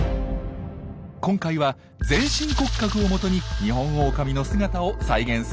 今回は全身骨格をもとにニホンオオカミの姿を再現することにしました。